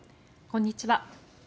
こんにちは。